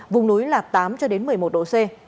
vùng núi là tám cho đến một mươi một độ c